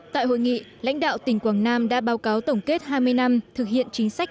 tại hội nghị lãnh đạo tỉnh quảng nam đã báo cáo tổng kết hai mươi năm thực hiện chính sách